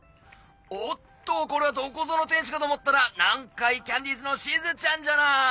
おっとこれはどこぞの天使かと思ったら南海キャンディーズのしずちゃんじゃない。